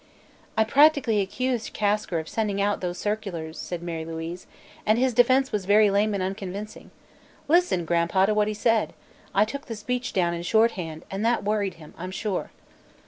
"I practically accused Kasker of sending out those circulars," said Mary Louise, "and his defense was very lame and unconvincing. Listen, Grand'pa, to what he said. I took the speech down in shorthand, and that worried him, I'm sure."